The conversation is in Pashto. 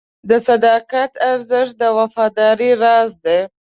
د صداقت ارزښت د وفادارۍ راز دی.